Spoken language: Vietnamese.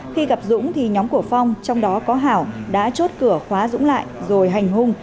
khi gặp dũng thì nhóm của phong trong đó có hảo đã chốt cửa khóa dũng lại rồi hành hung